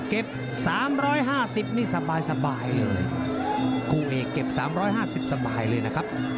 เก็บ๓๕๐นี่สบายเลยคู่เอกเก็บ๓๕๐สบายเลยนะครับ